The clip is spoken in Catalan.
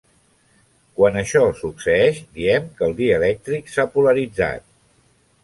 Quan això succeïx diem que el dielèctric s'ha polaritzat.